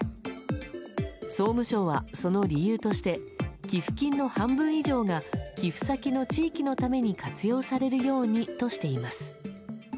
総務省は、その理由として寄付金の半分以上が寄付先の地域のために活用されるようにとしています。